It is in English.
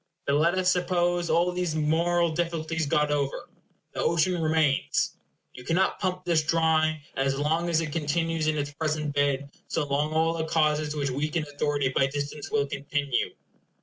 But let us suppose all these moral difficulties got over. The ocean remains. You cannot pump this dry; and as long as it continues in its present bed, so long all the causes which weaken authority by distance will continue.